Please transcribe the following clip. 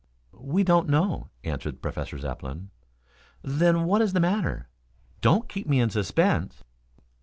"We don't know," answered Professor Zepplin. "Then what is the matter? Don't keep me in suspense."